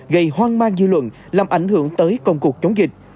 gây hoang mang dư luận làm ảnh hưởng tới công cuộc chống dịch